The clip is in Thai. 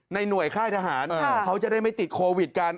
หน่วยค่ายทหารเขาจะได้ไม่ติดโควิดกัน